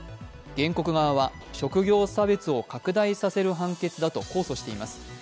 原告側は職業差別を拡大させる判決だと控訴しています。